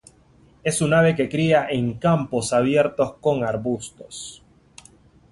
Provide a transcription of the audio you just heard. Es un ave que cría en campos abiertos con arbustos.